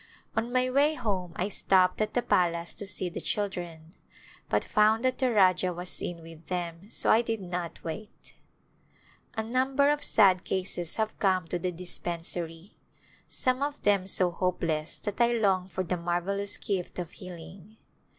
On my way home I stopped at the palace to see the children, but found that the Rajah was in with them so I did not wait, A number of sad cases have come to the dispensary, some of them so hopeless that I long for the marvel lous "gift of healing.